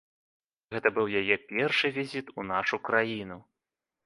Гэта быў яе першы візіт у нашу краіну.